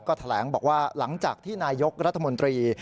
ก็แบ่งแปลงบอกว่าหลังจากที่นายกรัฐหมดรี